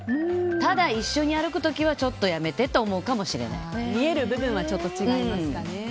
ただ、一緒に歩く時はちょっとやめてと見える部分はちょっと違いますかね。